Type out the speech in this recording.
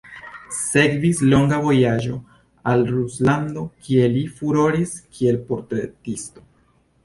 Sekvis longa vojaĝo al Ruslando kie li furoris kiel portretisto.